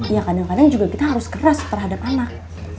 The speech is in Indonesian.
ya kadang kadang juga kita harus keras terhadap anak